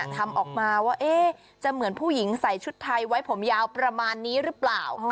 ทำออกมาว่าจะเหมือนผู้หญิงใส่ชุดไทยไว้ผมยาวประมาณนี้หรือเปล่า